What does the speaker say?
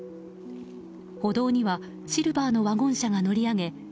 歩道にはシルバーのワゴン車が乗り上げ